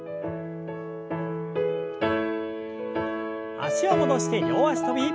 脚を戻して両脚跳び。